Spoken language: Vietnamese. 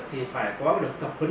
thì phải có được tập huấn